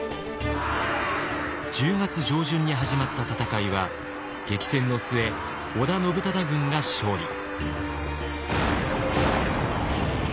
１０月上旬に始まった戦いは激戦の末織田信忠軍が勝利。